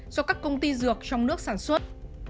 do các công ty dược trong nước sản xuất